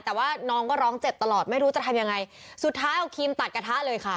แต่ว่าน้องก็ร้องเจ็บตลอดไม่รู้จะทำยังไงสุดท้ายเอาครีมตัดกระทะเลค่ะ